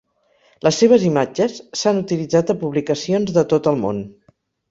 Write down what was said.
Les seves imatges s'han utilitzat a publicacions de tot el món.